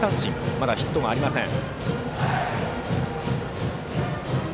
まだヒットがありません。